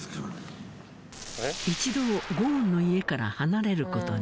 一度ゴーンの家から離れる事に。